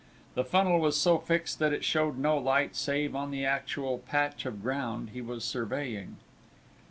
The funnel was so fixed that it showed no light save on the actual patch of ground he was surveying.